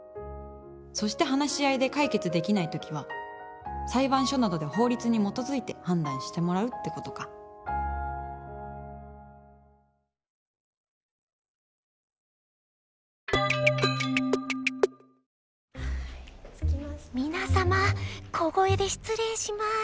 そして話し合いで解決できない時は裁判所などで法律に基づいて判断してもらうってことか皆様小声で失礼します。